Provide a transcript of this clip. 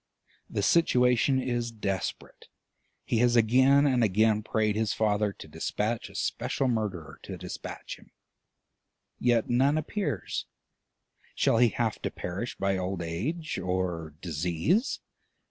The situation is desperate; he has again and again prayed his Father to despatch a special murderer to despatch him, yet none appears: shall he have to perish by old age or disease?